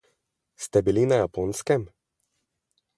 Ste bili na Japonskem?